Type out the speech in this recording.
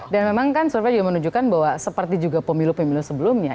memang kan survei juga menunjukkan bahwa seperti juga pemilu pemilu sebelumnya